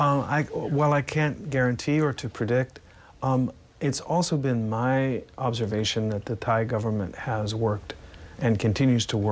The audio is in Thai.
ก็ไม่รู้ว่าในถ้ายังไหลต่อไปจะได้แปลงมากติดต่อไปทั้งเดียว